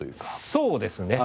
そうですね。